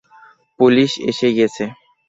Police এসে গেছে।